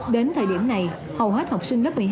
đến thời điểm này hầu hết học sinh lớp một mươi hai